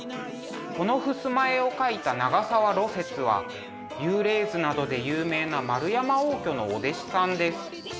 この襖絵を描いた長沢芦雪は「幽霊図」などで有名な円山応挙のお弟子さんです。